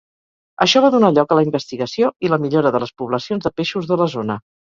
Això va donar lloc a la investigació i la millora de les poblacions de peixos de la zona.